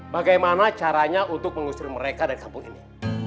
bagaimana caranya untuk mengusir mereka dari kampung ini